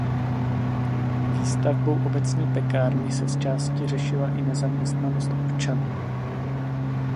Výstavbou obecní pekárny se zčásti řešila i nezaměstnanost občanů.